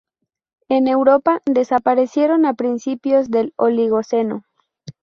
En Europa desaparecieron a principios del Oligoceno.